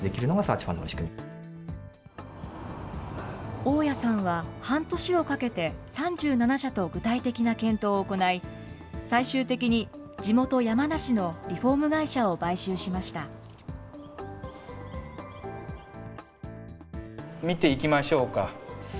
大屋さんは半年をかけて、３７社と具体的な検討を行い、最終的に地元、山梨のリフォーム会社を買収しました。